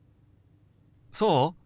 そう？